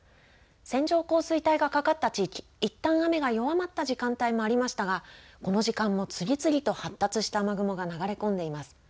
線状降水帯がかかった地域、いったん雨が弱まった時間帯もありましたが、この時間も次々と発達した雨雲が流れ込んでいます。